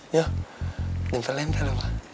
yah lempel lempel ya pak